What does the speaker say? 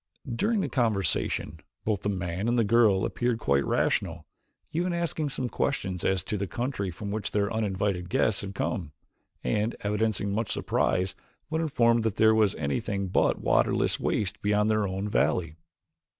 During the conversation both the man and the girl appeared quite rational, even asking some questions as to the country from which their uninvited guests had come, and evidencing much surprise when informed that there was anything but waterless wastes beyond their own valley.